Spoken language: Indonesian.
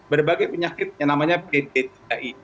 terutama bagi penyakit yang namanya bd tiga i